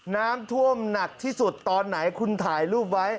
น้ำท่วมหนักที่สุดตอนไหนคุณถ่ายรูปไว้